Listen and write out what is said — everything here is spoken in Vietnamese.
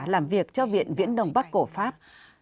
làm việc cho viện viễn đồng bắc cổ pháp